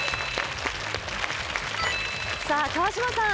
さぁ川島さん。